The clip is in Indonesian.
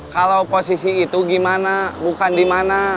kalau posisi itu gimana bukan di mana